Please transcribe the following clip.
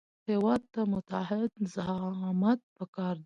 هېواد ته متعهد زعامت پکار دی